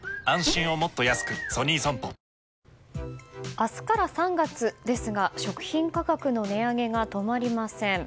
明日から３月ですが食品価格の値上げが止まりません。